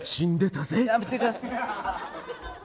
やめてください。